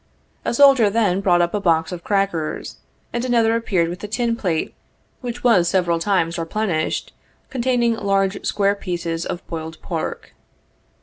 A soldier then brought up a box of crackers, and another appeared with a tin plate, which was several times replenished, containing large square pieces of boiled pork.